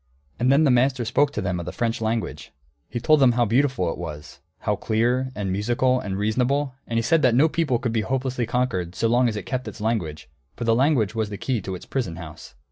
'" And then the master spoke to them of the French language. He told them how beautiful it was, how clear and musical and reasonable, and he said that no people could be hopelessly conquered so long as it kept its language, for the language was the key to its prison house.